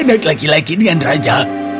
siapa anak laki laki dengan raja